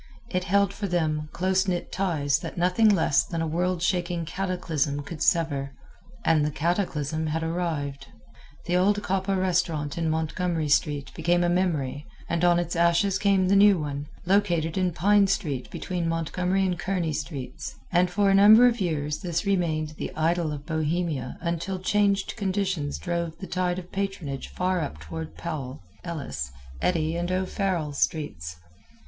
It held for them close knit ties that nothing less than a worldshaking cataclysm could sever and the cataclysm had arrived. The old Coppa restaurant in Montgomery street became a memory and on its ashes came the new one, located in Pine street between Montgomery and Kearny streets, and for a number of years this remained the idol of Bohemia until changed conditions drove the tide of patronage far up toward Powell, Ellis, Eddy and O'Farrell streets.